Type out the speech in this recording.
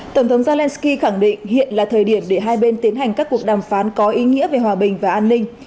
tổng thống zelensky khẳng định hiện là thời điểm để hai bên tiến hành các cuộc đàm phán có ý nghĩa về hòa bình và an ninh